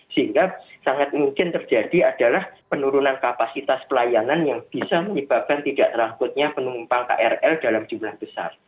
sehingga sangat mungkin terjadi adalah penurunan kapasitas pelayanan yang bisa menyebabkan tidak terangkutnya penumpang krl dalam jumlah besar